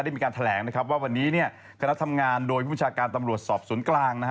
มีการแถลงนะครับว่าวันนี้เนี่ยคณะทำงานโดยผู้บัญชาการตำรวจสอบสวนกลางนะฮะ